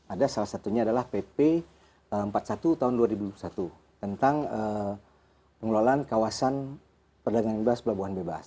ada salah satunya adalah pp empat puluh satu tahun dua ribu satu tentang pengelolaan kawasan perdagangan bebas pelabuhan bebas